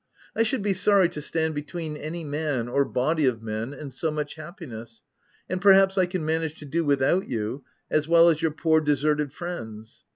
" I should be sorry to stand between any man — or body of men and so much happiness ; and perhaps I can manage to do without you, as w r ell as your poor deserted friends."